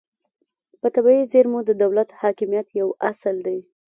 په طبیعي زیرمو د دولت حاکمیت یو اصل دی